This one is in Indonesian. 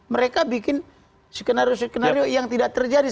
mereka bikin skenario skenario yang tidak terjadi